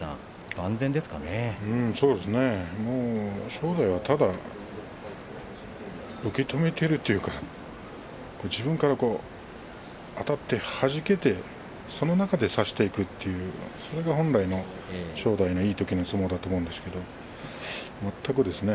正代は、ただ受け止めているというか自分からあたって差してその中で差していくというそれが本来の正代のいいときの相撲だと思うんですが全くですね。